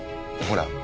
ほら。